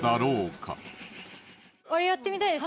あれやってみたいです。